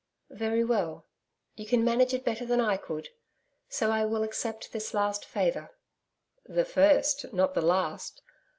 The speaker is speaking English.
'Very well. You can manage it better than I could. So I will accept this last favour.' 'The first, not the last.